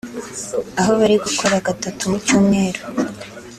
aho bari gukora gatatu mu cyumweru